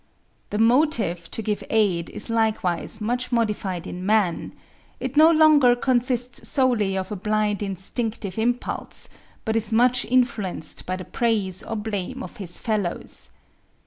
The motive to give aid is likewise much modified in man: it no longer consists solely of a blind instinctive impulse, but is much influenced by the praise or blame of his fellows.